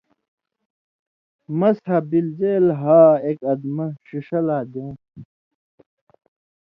مسح بِلژیل ہا ایک اَدمہ (ݜِݜہ) لا دیوں تھُو۔